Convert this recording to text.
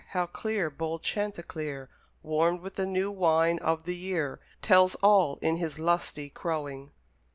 how clear bold chanticleer, Warmed with the new wine of the year, Tells all in his lusty crowing!